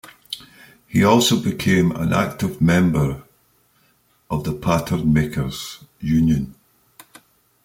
He also became an active member of the Pattern Makers Union.